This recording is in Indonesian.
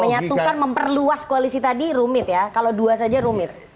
menyatukan memperluas koalisi tadi rumit ya kalau dua saja rumit